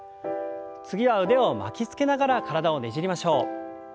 次は腕を巻きつけながら体をねじりましょう。